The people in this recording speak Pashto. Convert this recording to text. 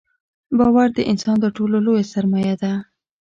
• باور د انسان تر ټولو لوی سرمایه ده.